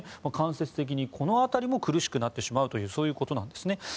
間接的にこの辺りも苦しくなってしまうということなんですね。